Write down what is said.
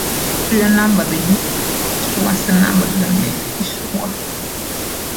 Serial number: the unique issuance number given by the issuer.